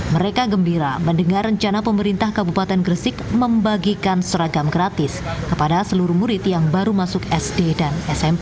mereka gembira mendengar rencana pemerintah kabupaten gresik membagikan seragam gratis kepada seluruh murid yang baru masuk sd dan smp